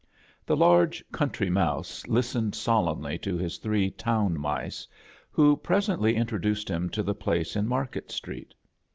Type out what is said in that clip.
The large Gnrntry Moose listened sol emnly to his three Town liflice, who pres ently introduced him to the place in Mar ket Street.